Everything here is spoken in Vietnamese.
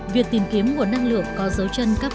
việc tìm kiếm nguồn năng lượng có dễ dàng